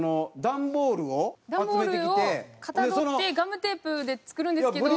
段ボールをかたどってガムテープで作るんですけど。